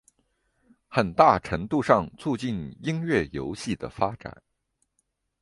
很大程度上促成音乐游戏的发展。